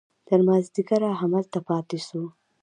تر مازديګره هملته پاته سو.